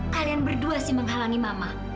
kalian berdua sih menghalangi mama